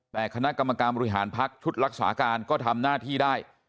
ในคณะกรรมกรรมหรือหารพักษณ์ชุดรักษาการก็ทำหน้าที่ได้